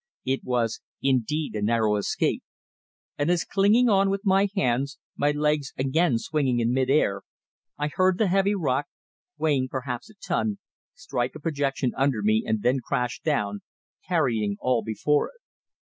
It was indeed a narrow escape, and as clinging on with my hands, my legs again swinging in mid air, I heard the heavy rock, weighing perhaps a ton, strike a projection under me and then crash down, carrying all before it.